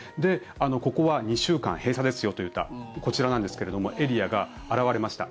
ここは２週間閉鎖ですよといったこちらなんですけれどもエリアが現れました。